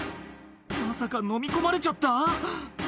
まさかのみ込まれちゃった？